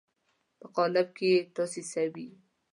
په قالب کې یې تاسیسوي.